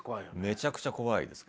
めちゃくちゃ怖いです